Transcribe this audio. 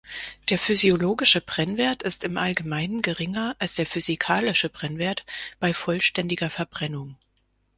Der physiologische Brennwert ist im Allgemeinen geringer als der physikalische Brennwert bei vollständiger Verbrennung.